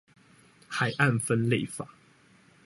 海岸分類法